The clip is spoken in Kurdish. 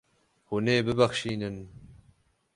Hûn ê bibexşînin.